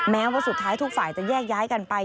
แม้ว่าสุดท้ายทุกฝ่ายจะแยกย้ายกันไป